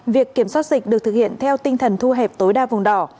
việc kiểm soát dịch được thực hiện theo tinh thần thu hẹp tối đa vùng đỏ